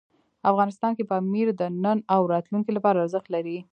افغانستان کې پامیر د نن او راتلونکي لپاره ارزښت لري.